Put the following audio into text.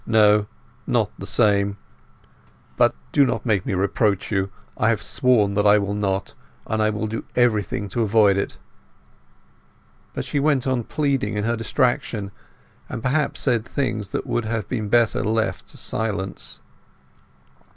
No, not the same. But do not make me reproach you. I have sworn that I will not; and I will do everything to avoid it." But she went on pleading in her distraction; and perhaps said things that would have been better left to silence.